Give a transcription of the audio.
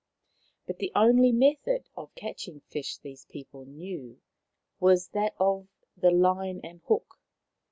But the only method of catching fish these people knew was that of the line and hook.